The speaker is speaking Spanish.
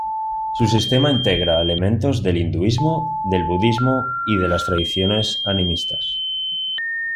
Su sistema integra elementos del hinduismo, del budismo y de las tradiciones animistas.